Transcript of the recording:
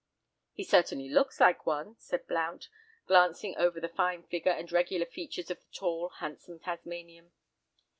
"He certainly looks like one," said Blount, glancing over the fine figure and regular features of the tall, handsome Tasmanian.